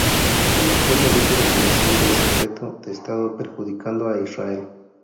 Cometió el delito de violación de secreto de Estado perjudicando a Israel.